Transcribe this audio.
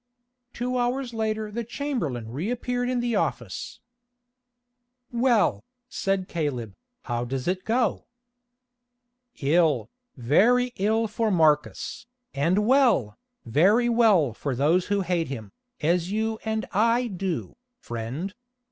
Two hours later the chamberlain reappeared in the office. "Well," said Caleb, "how does it go?" "Ill, very ill for Marcus, and well, very well for those who hate him, as you and I do, friend.